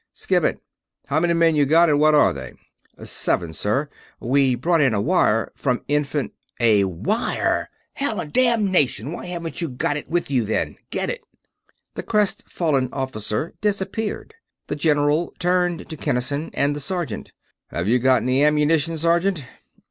"Skip it. How many men you got, and what are they?" "Seven, sir. We brought in a wire from Inf...." "A wire! Hellanddamnation, why haven't you got it with you, then? Get it!" The crestfallen officer disappeared; the general turned to Kinnison and the sergeant. "Have you got any ammunition, sergeant?"